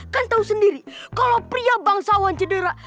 kan tau sendiri kalo pria bangsawan cedera